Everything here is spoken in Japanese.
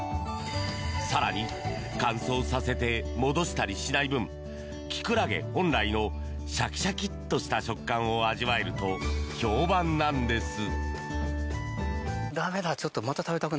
更に、乾燥させて戻したりしない分キクラゲ本来のシャキシャキッとした食感を味わえると評判なんです。